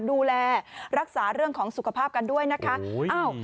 ดูแลรักษาเรื่องของสุขภาพกันด้วยนะคะ